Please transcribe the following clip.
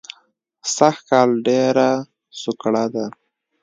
سږ کال ډېره سوکړه ده